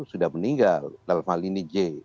sudah meninggal dalam hal ini j